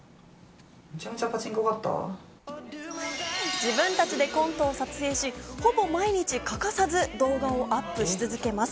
自分たちでコントを作成し、ほぼ毎日欠かさず動画をアップし続けます。